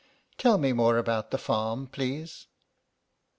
"Tell me more about the farm, please."